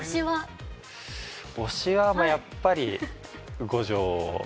推しはやっぱり五条。